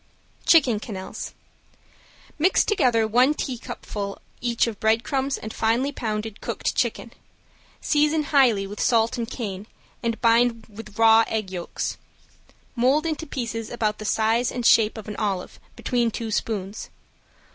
~CHICKEN QUENELLES~ Mix together one teacupful each of breadcrumbs and finely pounded cooked chicken. Season highly with salt and cayenne and bind with raw egg yolks. Mold into pieces about the size and shape of an olive, between two spoons.